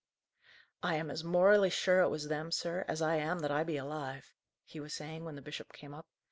"I am as morally sure it was them, sir, as I am that I be alive." he was saying when the bishop came up.